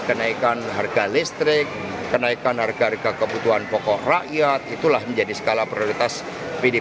kenaikan harga listrik kenaikan harga harga kebutuhan pokok rakyat itulah menjadi skala prioritas pdp